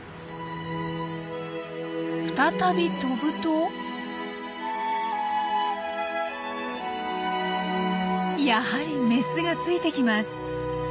再び飛ぶとやはりメスがついてきます。